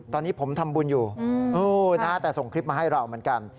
ตอนนี้ผมทำบุญอยู่แต่ส่งคลิปมาให้เราเหมือนกัน